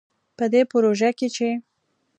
په دې پروژه کې چې